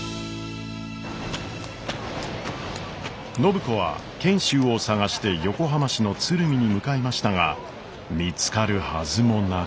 暢子は賢秀を捜して横浜市の鶴見に向かいましたが見つかるはずもなく。